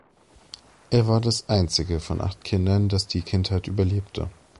Er war das einzige von acht Kindern, das die Kindheit überlebte.